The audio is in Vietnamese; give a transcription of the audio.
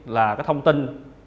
là cái thông tin